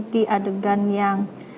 di adegan yang